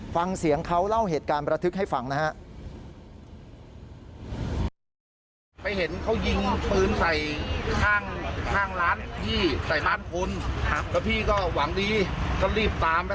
ฟังเสียงเขาเล่าเหตุการณ์ประทึกให้ฟังนะครับ